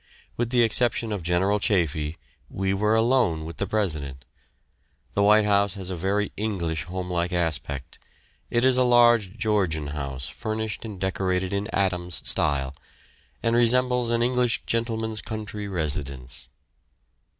With the exception of General Chaffee, we were alone with the President. The White House has a very English homelike aspect. It is a large Georgian house furnished and decorated in Adams style, and resembles an English gentleman's country residence.